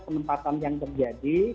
penempatan yang terjadi